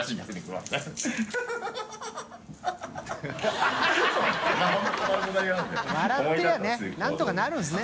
笑ってりゃね何とかなるんですね。